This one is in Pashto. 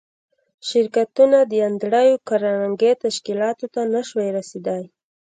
شرکتونه د انډریو کارنګي تشکیلاتو ته نشوای رسېدای